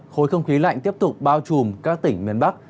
khối không khí lạnh tiếp tục bao trùm các tỉnh miền bắc